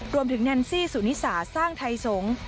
แนนซี่สุนิสาสร้างไทยสงฆ์